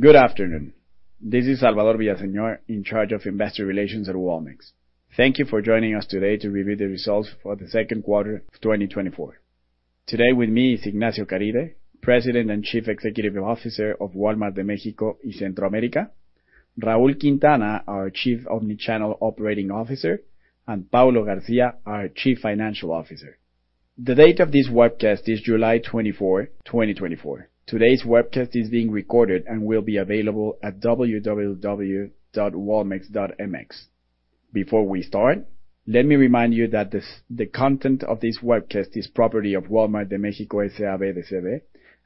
Good afternoon. This is Salvador Villaseñor, in charge of investor relations at Walmex. Thank you for joining us today to review the results for the second quarter of 2024. Today with me is Ignacio Caride, President and Chief Executive Officer of Walmart de México y Centroamérica, Raúl Quintana, our Chief Omnichannel Operating Officer, and Paulo García, our Chief Financial Officer. The date of this webcast is July 24, 2024. Today's webcast is being recorded and will be available at www.walmex.mx. Before we start, let me remind you that the content of this webcast is property of Walmart de México, S.A.B. de C.V.,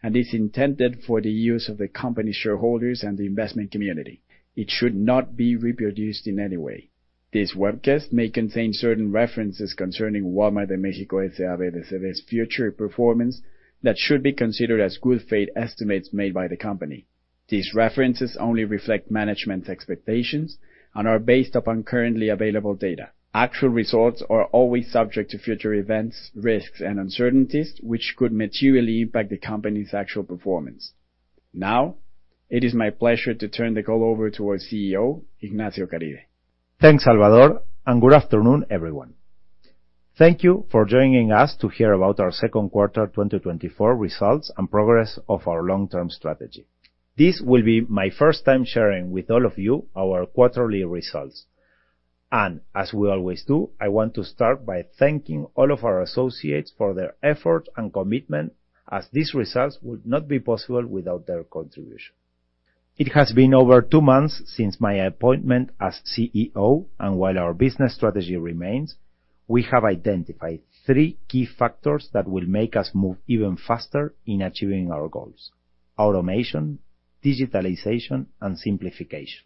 and is intended for the use of the company shareholders and the investment community. It should not be reproduced in any way. This webcast may contain certain references concerning Walmart de México S.A.B. de C.V.'s future performance that should be considered as good faith estimates made by the company. These references only reflect management's expectations and are based upon currently available data. Actual results are always subject to future events, risks and uncertainties, which could materially impact the company's actual performance. Now, it is my pleasure to turn the call over to our CEO, Ignacio Caride. Thanks, Salvador, and good afternoon, everyone. Thank you for joining us to hear about our second quarter 2024 results and progress of our long-term strategy. This will be my first time sharing with all of you our quarterly results. I want to start by thanking all of our associates for their effort and commitment, as these results would not be possible without their contribution. It has been over two months since my appointment as CEO, and while our business strategy remains, we have identified three key factors that will make us move even faster in achieving our goals: automation, digitalization, and simplification.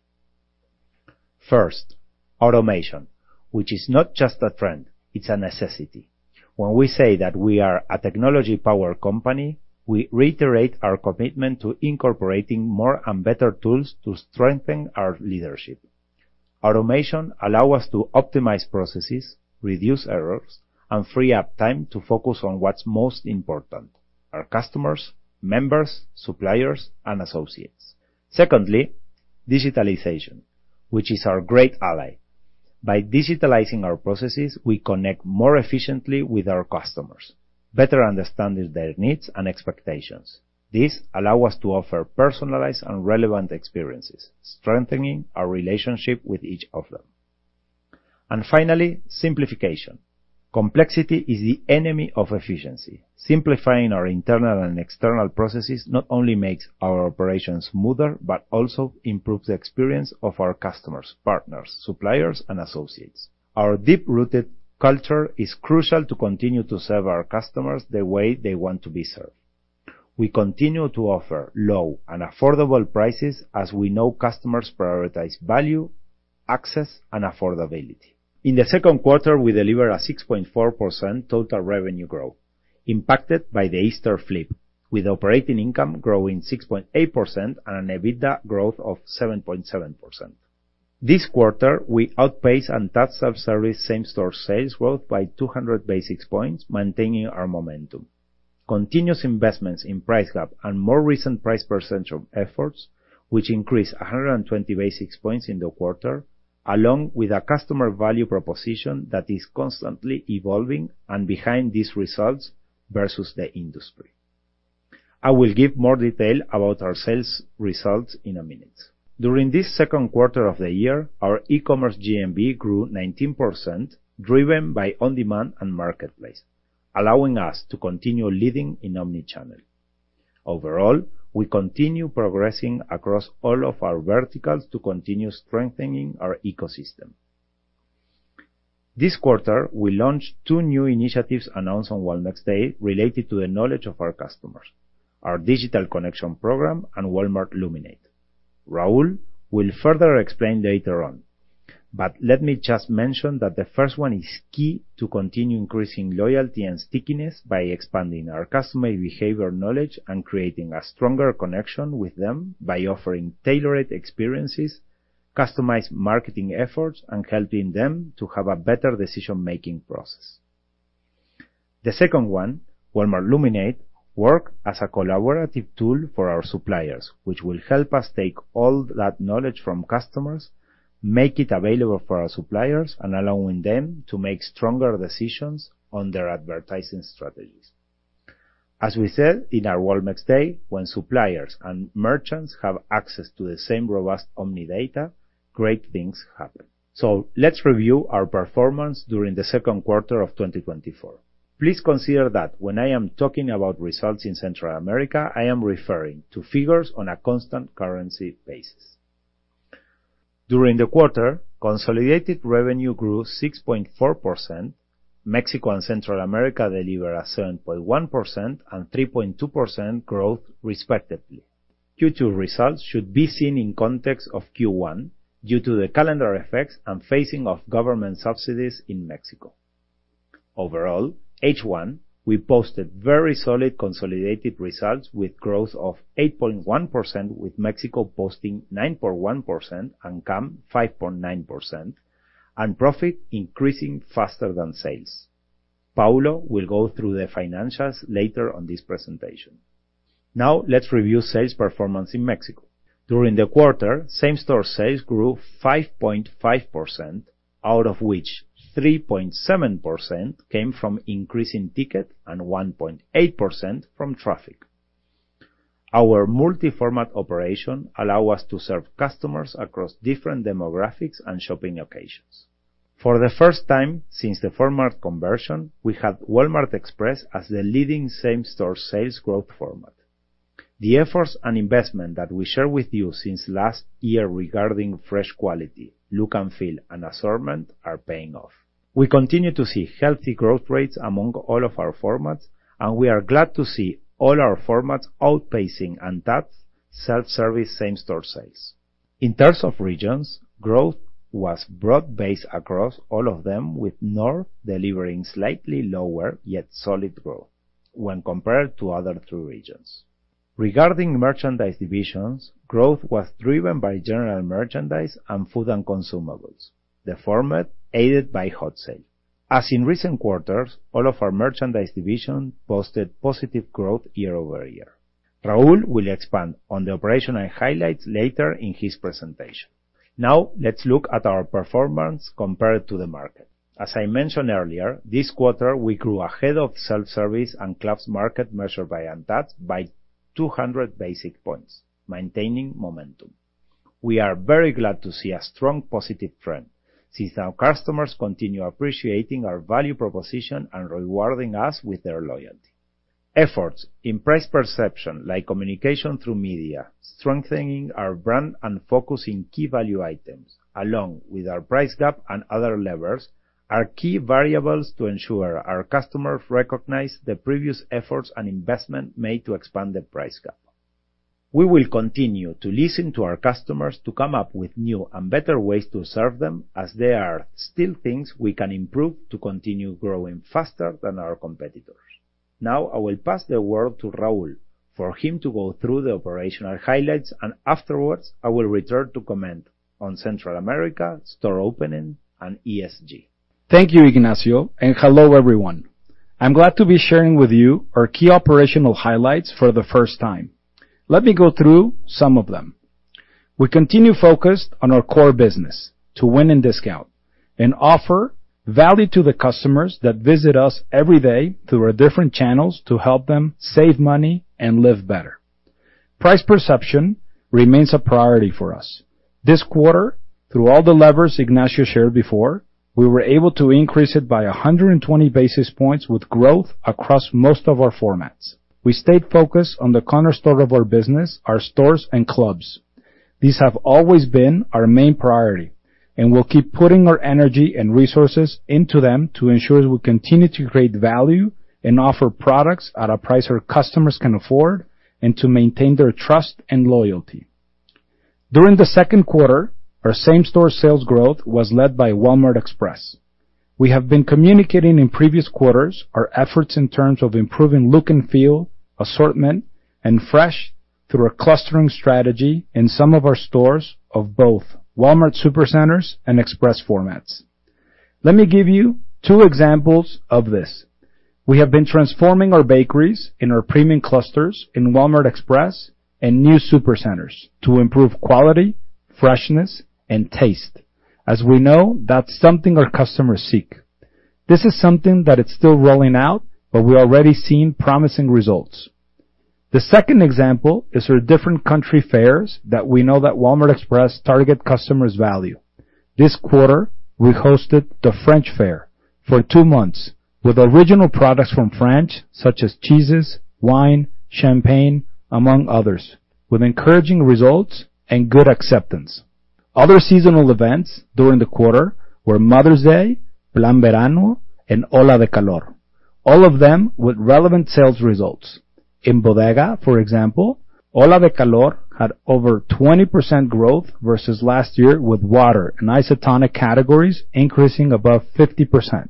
First, automation, which is not just a trend, it's a necessity. When we say that we are a technology-powered company, we reiterate our commitment to incorporating more and better tools to strengthen our leadership. Automation allow us to optimize processes, reduce errors, and free up time to focus on what's most important, our customers, members, suppliers, and associates. Secondly, digitalization, which is our great ally. By digitalizing our processes, we connect more efficiently with our customers, better understanding their needs and expectations. This allow us to offer personalized and relevant experiences, strengthening our relationship with each of them. And finally, simplification. Complexity is the enemy of efficiency. Simplifying our internal and external processes not only makes our operations smoother, but also improves the experience of our customers, partners, suppliers, and associates. Our deep-rooted culture is crucial to continue to serve our customers the way they want to be served. We continue to offer low and affordable prices as we know customers prioritize value, access, and affordability. In the second quarter, we delivered a 6.4% total revenue growth, impacted by the Easter flip, with operating income growing 6.8% and an EBITDA growth of 7.7%. This quarter, we outpaced ANTAD self-service same-store sales growth by 200 basis points, maintaining our momentum. Continuous investments in price gap and more recent price perception efforts, which increased 120 basis points in the quarter, along with a customer value proposition that is constantly evolving and behind these results versus the industry. I will give more detail about our sales results in a minute. During this second quarter of the year, our e-commerce GMV grew 19%, driven by on-demand and marketplace, allowing us to continue leading in omnichannel. Overall, we continue progressing across all of our verticals to continue strengthening our ecosystem. This quarter, we launched two new initiatives announced on Walmex Day, related to the knowledge of our customers, our digital connection program, and Walmart Luminate. Raúl will further explain later on, but let me just mention that the first one is key to continue increasing loyalty and stickiness by expanding our customer behavior knowledge and creating a stronger connection with them by offering tailored experiences, customized marketing efforts, and helping them to have a better decision-making process. The second one, Walmart Luminate, work as a collaborative tool for our suppliers, which will help us take all that knowledge from customers, make it available for our suppliers, and allowing them to make stronger decisions on their advertising strategies. As we said in our Walmex Day, when suppliers and merchants have access to the same robust omnidata, great things happen. So let's review our performance during the second quarter of 2024. Please consider that when I am talking about results in Central America, I am referring to figures on a constant currency basis. During the quarter, consolidated revenue grew 6.4%. Mexico and Central America delivered a 7.1% and 3.2% growth, respectively. Q2 results should be seen in context of Q1 due to the calendar effects and phasing of government subsidies in Mexico. Overall, H1, we posted very solid consolidated results with growth of 8.1%, with Mexico posting 9.1% and CAM, 5.9%, and profit increasing faster than sales. Paulo will go through the financials later on this presentation. Now, let's review sales performance in Mexico. During the quarter, same-store sales grew 5.5%, out of which 3.7% came from increasing ticket and 1.8% from traffic. Our multi-format operation allow us to serve customers across different demographics and shopping occasions. For the first time since the format conversion, we had Walmart Express as the leading same-store sales growth format. The efforts and investment that we share with you since last year regarding fresh quality, look and feel, and assortment are paying off. We continue to see healthy growth rates among all of our formats, and we are glad to see all our formats outpacing ANTAD self-service same-store sales. In terms of regions, growth was broad-based across all of them, with North delivering slightly lower, yet solid growth when compared to other two regions. Regarding merchandise divisions, growth was driven by general merchandise and food and consumables, the format aided by Hot Sale. As in recent quarters, all of our merchandise division posted positive growth year-over-year. Raúl will expand on the operational highlights later in his presentation. Now, let's look at our performance compared to the market. As I mentioned earlier, this quarter, we grew ahead of self-service and clubs market measured by ANTAD by 200 basis points, maintaining momentum. We are very glad to see a strong positive trend since our customers continue appreciating our value proposition and rewarding us with their loyalty. Efforts in price perception, like communication through media, strengthening our brand, and focusing key value items, along with our price gap and other levers, are key variables to ensure our customers recognize the previous efforts and investment made to expand the price gap. We will continue to listen to our customers to come up with new and better ways to serve them, as there are still things we can improve to continue growing faster than our competitors. Now, I will pass the word to Raúl for him to go through the operational highlights, and afterwards, I will return to comment on Central America, store opening, and ESG. Thank you, Ignacio, and hello, everyone. I'm glad to be sharing with you our key operational highlights for the first time. Let me go through some of them. We continue focused on our core business to win and discount and offer value to the customers that visit us every day through our different channels to help them save money and live better. Price perception remains a priority for us. This quarter, through all the levers Ignacio shared before, we were able to increase it by 120 basis points with growth across most of our formats. We stayed focused on the cornerstone of our business, our stores and clubs. These have always been our main priority, and we'll keep putting our energy and resources into them to ensure we continue to create value and offer products at a price our customers can afford, and to maintain their trust and loyalty. During the second quarter, our same-store sales growth was led by Walmart Express. We have been communicating in previous quarters our efforts in terms of improving look and feel, assortment, and fresh through our clustering strategy in some of our stores of both Walmart Supercenters and Express formats. Let me give you two examples of this. We have been transforming our bakeries in our premium clusters in Walmart Express and new Supercenters to improve quality, freshness, and taste, as we know that's something our customers seek. This is something that is still rolling out, but we're already seeing promising results. The second example is our different country fairs that we know that Walmart Express target customers value. This quarter, we hosted the French Fair for 2 months with original products from France, such as cheeses, wine, champagne, among others, with encouraging results and good acceptance. Other seasonal events during the quarter were Mother's Day, Plan Verano, and Ola de Calor, all of them with relevant sales results. In Bodega, for example, Ola de Calor had over 20% growth versus last year, with water and isotonic categories increasing above 50%.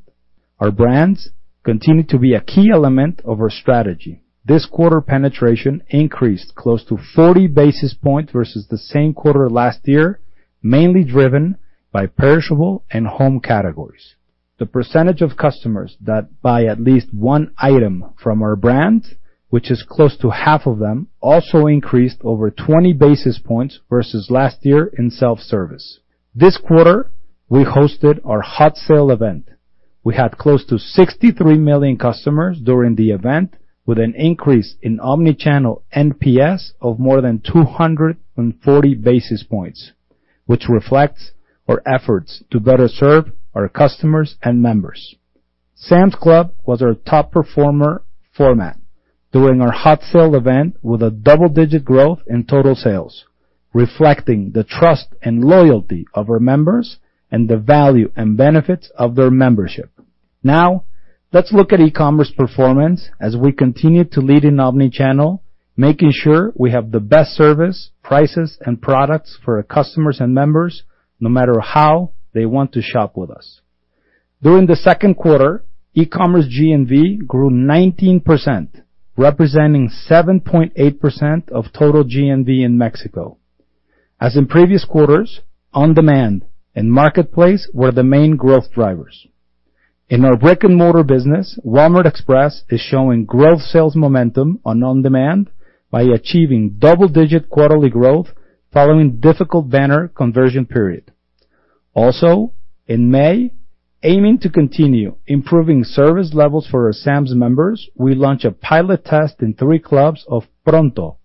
Our brands continue to be a key element of our strategy. This quarter, penetration increased close to 40 basis points versus the same quarter last year, mainly driven by perishable and home categories. The percentage of customers that buy at least one item from our brand, which is close to half of them, also increased over 20 basis points versus last year in self-service. This quarter, we hosted our Hot Sale event. We had close to 63 million customers during the event, with an increase in omnichannel NPS of more than 240 basis points, which reflects our efforts to better serve our customers and members. Sam's Club was our top performer format during our Hot Sale event, with a double-digit growth in total sales, reflecting the trust and loyalty of our members and the value and benefits of their membership. Now, let's look at e-commerce performance as we continue to lead in omnichannel, making sure we have the best service, prices, and products for our customers and members, no matter how they want to shop with us. During the second quarter, e-commerce GMV grew 19%, representing 7.8% of total GMV in Mexico. As in previous quarters, on-demand and marketplace were the main growth drivers. In our brick-and-mortar business, Walmart Express is showing growth sales momentum on on-demand by achieving double-digit quarterly growth, following difficult banner conversion period. Also, in May, aiming to continue improving service levels for our Sam's members, we launched a pilot test in three clubs of Pronto,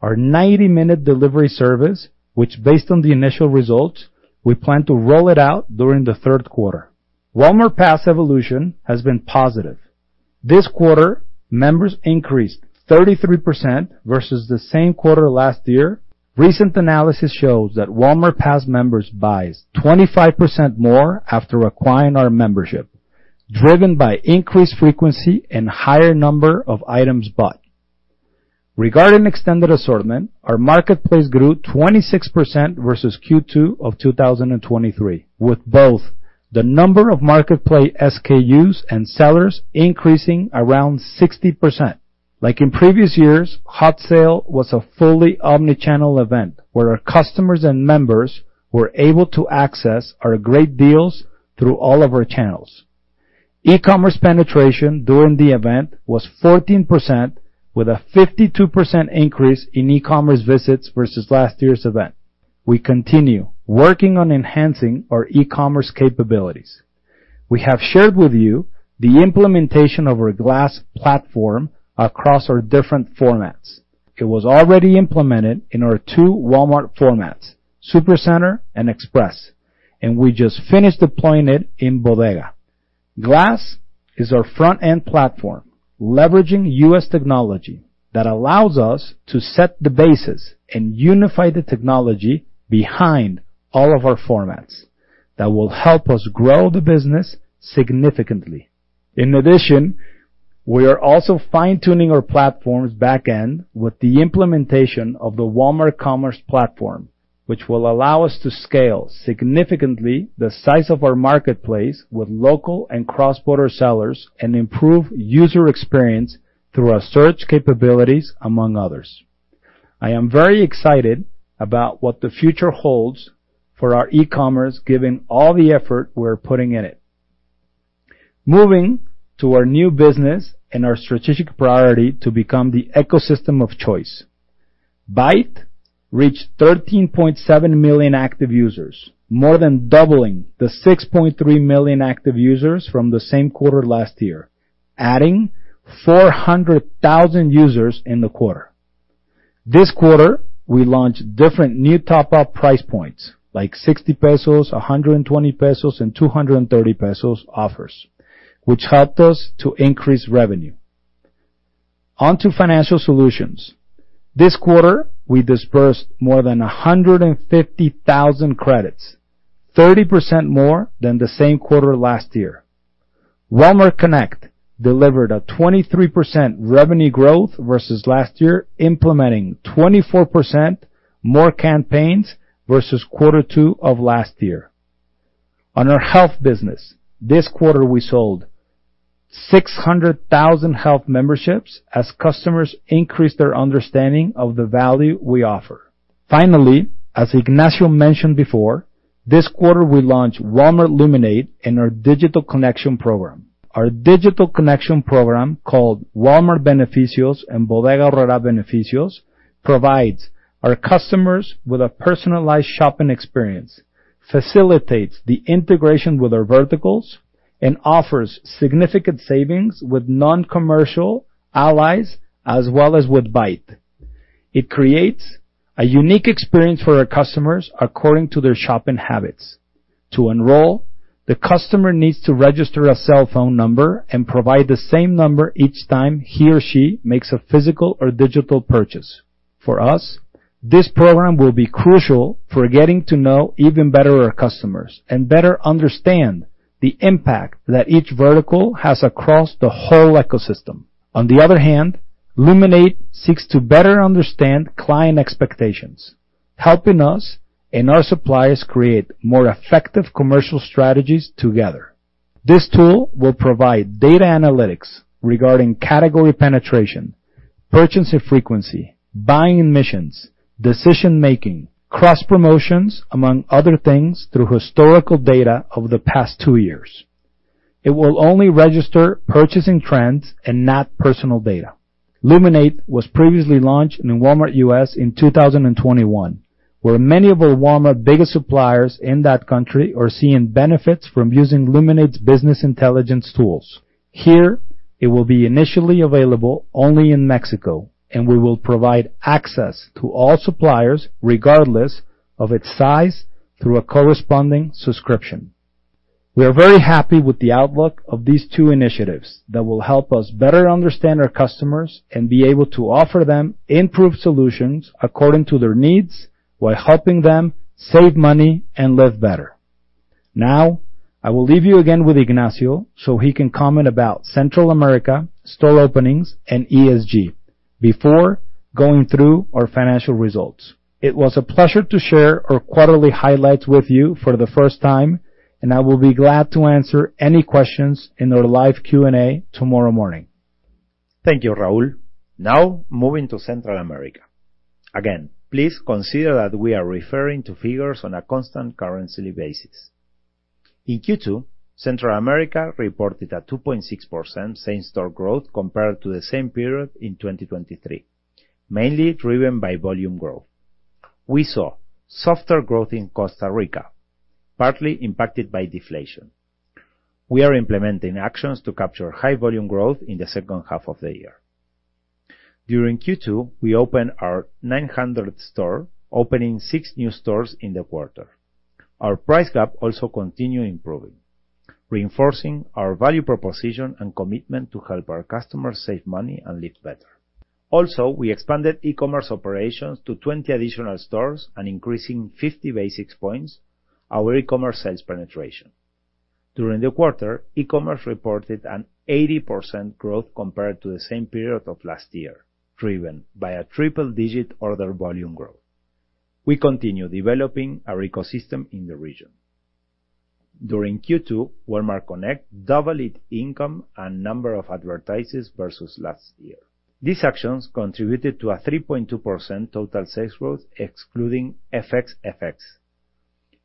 our 90-minute delivery service, which based on the initial results, we plan to roll it out during the third quarter. Walmart Pass evolution has been positive. This quarter, members increased 33% versus the same quarter last year. Recent analysis shows that Walmart Pass members buys 25% more after acquiring our membership, driven by increased frequency and higher number of items bought. Regarding extended assortment, our marketplace grew 26% versus Q2 of 2023, with both the number of marketplace SKUs and sellers increasing around 60%. Like in previous years, Hot Sale was a fully omnichannel event, where our customers and members were able to access our great deals through all of our channels. E-commerce penetration during the event was 14%, with a 52% increase in e-commerce visits versus last year's event. We continue working on enhancing our e-commerce capabilities. We have shared with you the implementation of our Glass platform across our different formats. It was already implemented in our two Walmart formats, Supercenter and Express, and we just finished deploying it in Bodega. Glass is our front-end platform, leveraging U.S. technology that allows us to set the basis and unify the technology behind all of our formats that will help us grow the business significantly. In addition, we are also fine-tuning our platforms back-end with the implementation of the Walmart Commerce Platform, which will allow us to scale significantly the size of our marketplace with local and cross-border sellers, and improve user experience through our search capabilities, among others. I am very excited about what the future holds for our e-commerce, given all the effort we're putting in it. Moving to our new business and our strategic priority to become the ecosystem of choice. Bait reached 13.7 million active users, more than doubling the 6.3 million active users from the same quarter last year, adding 400,000 users in the quarter. This quarter, we launched different new top-up price points, like 60 pesos, 120 pesos, and 230 pesos offers, which helped us to increase revenue. On to financial solutions. This quarter, we dispersed more than 150,000 credits, 30% more than the same quarter last year. Walmart Connect delivered a 23% revenue growth versus last year, implementing 24% more campaigns versus quarter two of last year. On our health business, this quarter, we sold 600,000 health memberships as customers increased their understanding of the value we offer. Finally, as Ignacio mentioned before, this quarter, we launched Walmart Luminate in our digital connection program. Our digital connection program, called Walmart Beneficios and Bodega Aurrera Beneficios, provides our customers with a personalized shopping experience, facilitates the integration with our verticals, and offers significant savings with non-commercial allies, as well as with Bait. It creates a unique experience for our customers according to their shopping habits. To enroll, the customer needs to register a cell phone number and provide the same number each time he or she makes a physical or digital purchase. For us, this program will be crucial for getting to know even better our customers and better understand the impact that each vertical has across the whole ecosystem. On the other hand, Luminate seeks to better understand client expectations, helping us and our suppliers create more effective commercial strategies together. This tool will provide data analytics regarding category penetration, purchase and frequency, buying missions, decision making, cross promotions, among other things, through historical data over the past two years. It will only register purchasing trends and not personal data. Luminate was previously launched in Walmart U.S. in 2021, where many of our Walmart biggest suppliers in that country are seeing benefits from using Luminate's business intelligence tools. Here, it will be initially available only in Mexico, and we will provide access to all suppliers, regardless of its size, through a corresponding subscription. We are very happy with the outlook of these two initiatives that will help us better understand our customers and be able to offer them improved solutions according to their needs, while helping them save money and live better. Now, I will leave you again with Ignacio, so he can comment about Central America, store openings, and ESG before going through our financial results. It was a pleasure to share our quarterly highlights with you for the first time, and I will be glad to answer any questions in our live Q&A tomorrow morning. Thank you, Raúl. Now, moving to Central America. Again, please consider that we are referring to figures on a constant currency basis. In Q2, Central America reported a 2.6% same-store growth compared to the same period in 2023, mainly driven by volume growth. We saw softer growth in Costa Rica, partly impacted by deflation. We are implementing actions to capture high volume growth in the second half of the year. During Q2, we opened our 900th store, opening six new stores in the quarter. Our price gap also continued improving, reinforcing our value proposition and commitment to help our customers save money and live better. Also, we expanded e-commerce operations to 20 additional stores and increasing 50 basis points our e-commerce sales penetration. During the quarter, e-commerce reported an 80% growth compared to the same period of last year, driven by a triple-digit order volume growth. We continue developing our ecosystem in the region. During Q2, Walmart Connect doubled its income and number of advertisers versus last year. These actions contributed to a 3.2% total sales growth, excluding FX effects.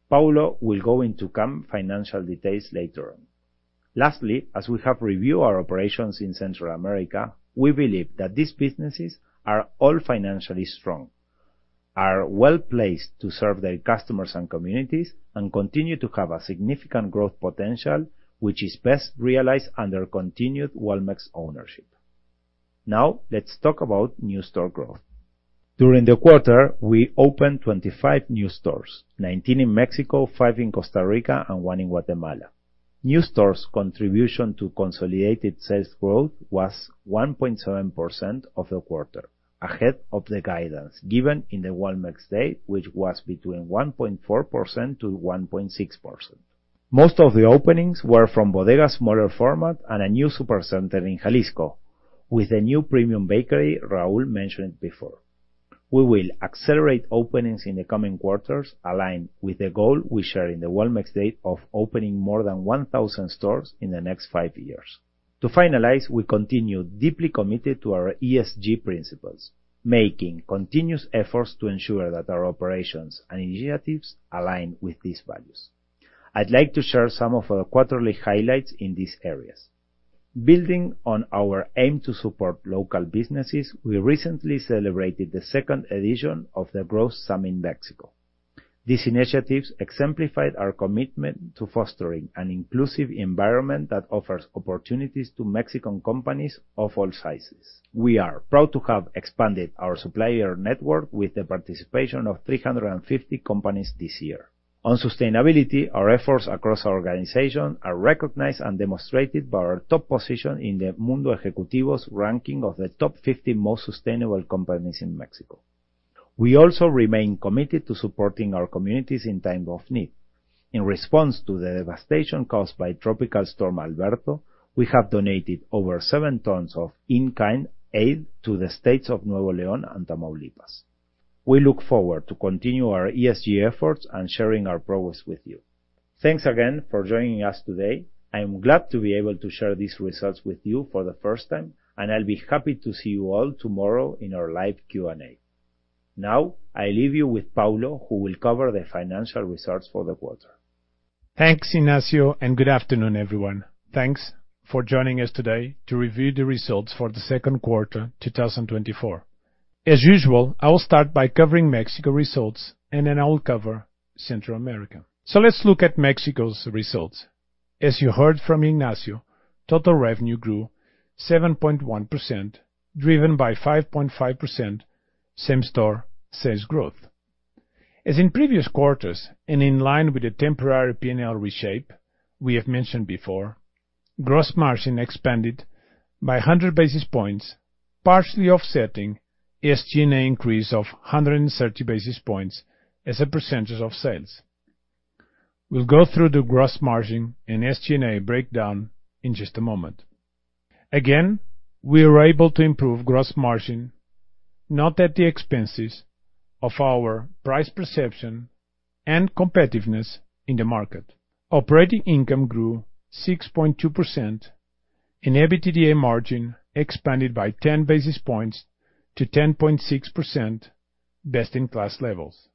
Paulo will go into some financial details later on. Lastly, as we have reviewed our operations in Central America, we believe that these businesses are all financially strong, are well-placed to serve their customers and communities, and continue to have a significant growth potential, which is best realized under continued Walmex ownership. Now, let's talk about new store growth. During the quarter, we opened 25 new stores, 19 in Mexico, five in Costa Rica, and one in Guatemala. New stores' contribution to consolidated sales growth was 1.7% of the quarter, ahead of the guidance given in the Walmex Day, which was between 1.4%-1.6%. Most of the openings were from Bodega's smaller format and a new Supercenter in Jalisco, with a new premium bakery Raúl mentioned before. We will accelerate openings in the coming quarters, aligned with the goal we share in the Walmex Day of opening more than 1,000 stores in the next five years. To finalize, we continue deeply committed to our ESG principles, making continuous efforts to ensure that our operations and initiatives align with these values. I'd like to share some of our quarterly highlights in these areas. Building on our aim to support local businesses, we recently celebrated the second edition of the Growth Summit Mexico. These initiatives exemplified our commitment to fostering an inclusive environment that offers opportunities to Mexican companies of all sizes. We are proud to have expanded our supplier network with the participation of 350 companies this year. On sustainability, our efforts across our organization are recognized and demonstrated by our top position in the Mundo Ejecutivo ranking of the top 50 most sustainable companies in Mexico. We also remain committed to supporting our communities in times of need. In response to the devastation caused by Tropical Storm Alberto, we have donated over seven tons of in-kind aid to the states of Nuevo León and Tamaulipas. We look forward to continue our ESG efforts and sharing our progress with you. Thanks again for joining us today. I am glad to be able to share these results with you for the first time, and I'll be happy to see you all tomorrow in our live Q&A. Now, I leave you with Paulo, who will cover the financial results for the quarter. Thanks, Ignacio, and good afternoon, everyone. Thanks for joining us today to review the results for the second quarter, 2024. As usual, I will start by covering Mexico results, and then I will cover Central America. So let's look at Mexico's results. As you heard from Ignacio, total revenue grew 7.1%, driven by 5.5% same-store sales growth. As in previous quarters, and in line with the temporary P&L reshape we have mentioned before, gross margin expanded by 100 basis points, partially offsetting SG&A increase of 130 basis points as a percentage of sales. We'll go through the gross margin and SG&A breakdown in just a moment. Again, we are able to improve gross margin, not at the expenses of our price perception and competitiveness in the market. Operating income grew 6.2%, and EBITDA margin expanded by 10 basis points to 10.6%, best-in-class levels.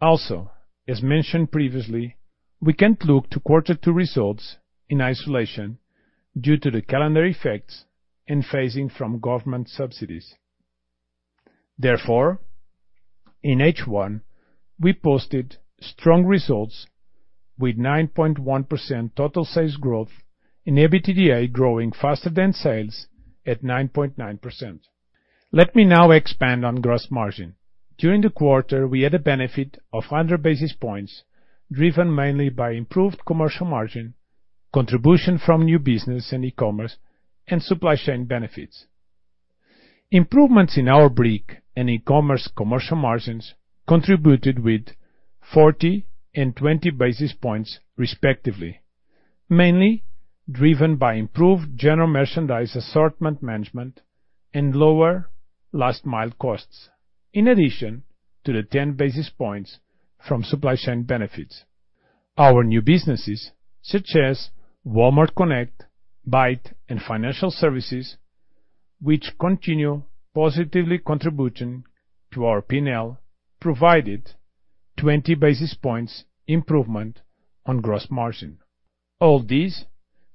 Also, as mentioned previously, we can't look to quarter two results in isolation due to the calendar effects and phasing from government subsidies. Therefore, in H1, we posted strong results with 9.1% total sales growth and EBITDA growing faster than sales at 9.9%. Let me now expand on gross margin. During the quarter, we had a benefit of 100 basis points, driven mainly by improved commercial margin, contribution from new business and e-commerce, and supply chain benefits. Improvements in our brick and e-commerce commercial margins contributed with 40 and 20 basis points, respectively, mainly driven by improved general merchandise assortment management and lower last-mile costs, in addition to the 10 basis points from supply chain benefits. Our new businesses, such as Walmart Connect, Bait, and Financial Services, which continue positively contributing to our P&L, provided 20 basis points improvement on gross margin. All these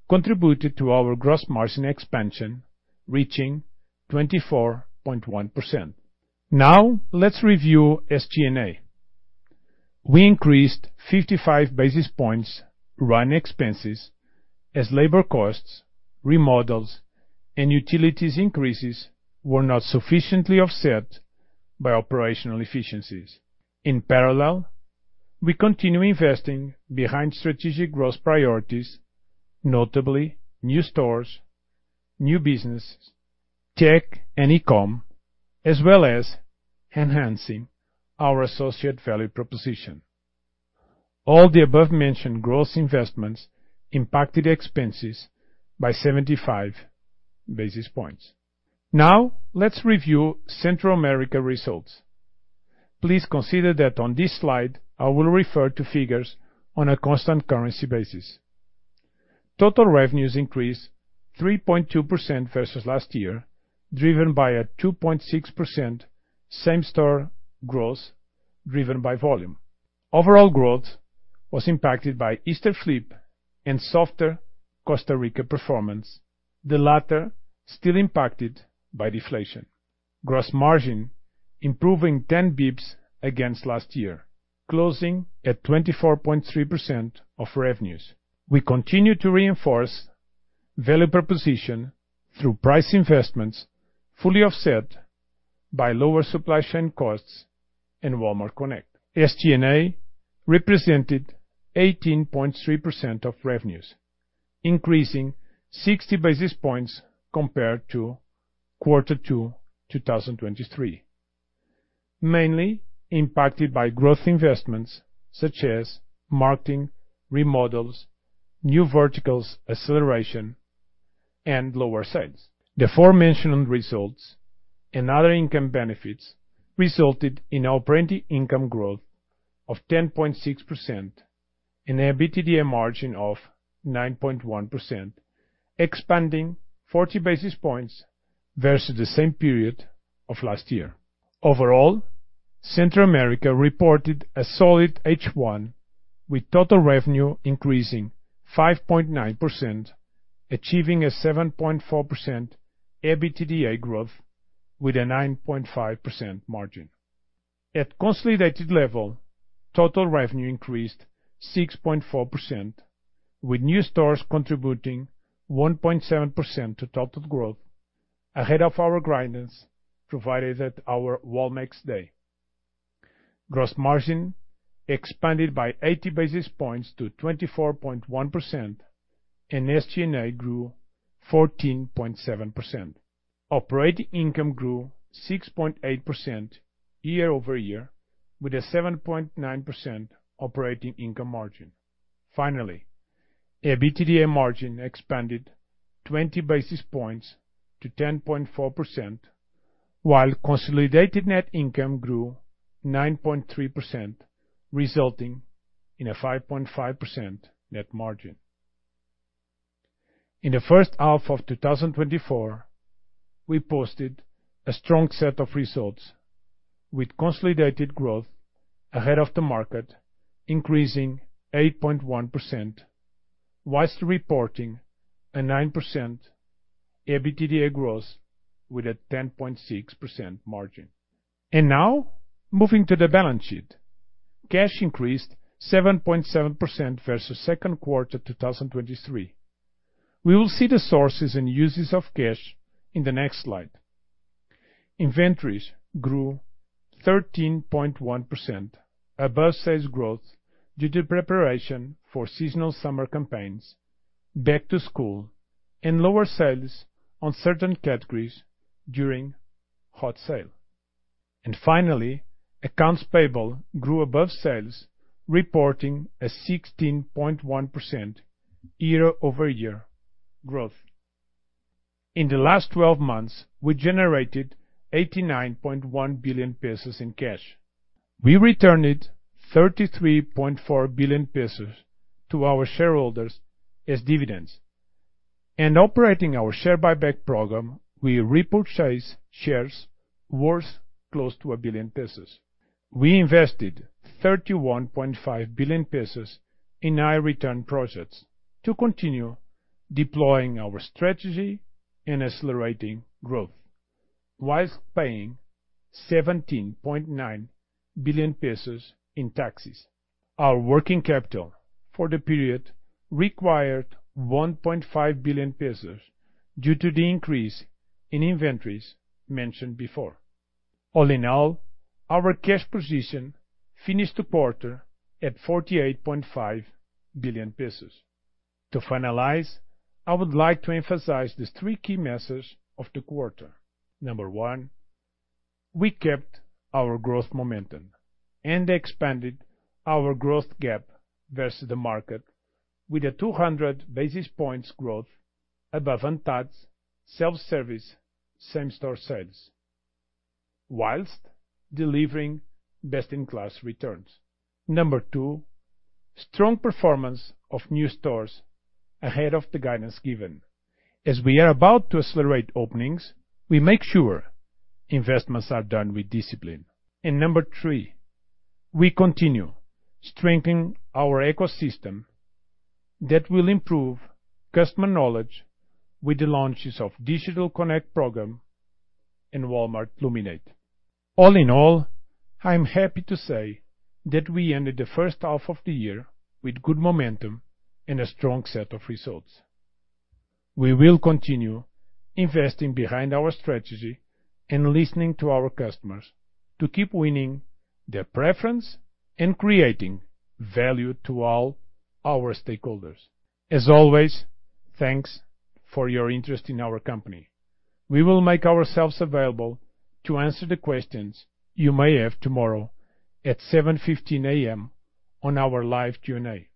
contributed to our gross margin expansion, reaching 24.1%. Now, let's review SG&A. We increased 55 basis points on expenses as labor costs, remodels, and utilities increases were not sufficiently offset by operational efficiencies. In parallel, we continue investing behind strategic growth priorities, notably new stores, new business, tech and e-com, as well as enhancing our associate value proposition. All the above mentioned growth investments impacted expenses by 75 basis points. Now, let's review Central America results. Please consider that on this slide, I will refer to figures on a constant currency basis. Total revenues increased 3.2% versus last year, driven by a 2.6% same-store growth, driven by volume. Overall growth was impacted by Easter flip and softer Costa Rica performance, the latter still impacted by deflation. Gross margin improving 10 basis points against last year, closing at 24.3% of revenues. We continue to reinforce value proposition through price investments, fully offset by lower supply chain costs and Walmart Connect. SG&A represented 18.3% of revenues, increasing 60 basis points compared to Quarter 2, 2023, mainly impacted by growth investments such as marketing, remodels, new verticals, acceleration, and lower sales. The aforementioned results and other income benefits resulted in operating income growth of 10.6% and a EBITDA margin of 9.1%, expanding 40 basis points versus the same period of last year. Overall, Central America reported a solid H1, with total revenue increasing 5.9%, achieving a 7.4% EBITDA growth with a 9.5% margin. At consolidated level, total revenue increased 6.4%, with new stores contributing 1.7% to total growth, ahead of our guidance, provided at our Walmex Day. Gross margin expanded by 80 basis points to 24.1%, and SG&A grew 14.7%. Operating income grew 6.8% year-over-year, with a 7.9% operating income margin. Finally, EBITDA margin expanded 20 basis points to 10.4%, while consolidated net income grew 9.3%, resulting in a 5.5% net margin. In the first half of 2024, we posted a strong set of results, with consolidated growth ahead of the market, increasing 8.1%, while reporting a 9% EBITDA growth with a 10.6% margin. Now, moving to the balance sheet, cash increased 7.7% versus second quarter 2023. We will see the sources and uses of cash in the next slide. Inventories grew 13.1%, above sales growth, due to preparation for seasonal summer campaigns, back to school, and lower sales on certain categories during Hot Sale. Finally, accounts payable grew above sales, reporting a 16.1% year-over-year growth. In the last 12 months, we generated 89.1 billion pesos in cash. We returned 33.4 billion pesos to our shareholders as dividends. Operating our share buyback program, we repurchased shares worth close to 1 billion pesos. We invested 31.5 billion pesos in high return projects to continue deploying our strategy and accelerating growth, while paying 17.9 billion pesos in taxes. Our working capital for the period required 1.5 billion pesos due to the increase in inventories mentioned before. All in all, our cash position finished the quarter at 48.5 billion pesos. To finalize, I would like to emphasize the three key messages of the quarter. Number one, we kept our growth momentum and expanded our growth gap versus the market with a 200 basis points growth above ANTAD's self-service same-store sales, while delivering best-in-class returns. Number two, strong performance of new stores ahead of the guidance given. As we are about to accelerate openings, we make sure investments are done with discipline. And number three, we continue strengthening our ecosystem that will improve customer knowledge with the launches of Digital Connect program and Walmart Luminate. All in all, I am happy to say that we ended the first half of the year with good momentum and a strong set of results. We will continue investing behind our strategy and listening to our customers to keep winning their preference and creating value to all our stakeholders. As always, thanks for your interest in our company. We will make ourselves available to answer the questions you may have tomorrow at 7:15 A.M. on our live Q&A.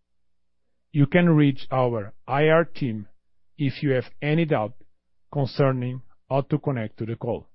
You can reach our IR team if you have any doubt concerning how to connect to the call.